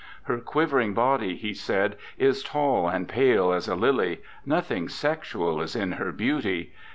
"Her quiv ering body," he said, "is tall and pale as a lily; nothing sexual is in her beauty.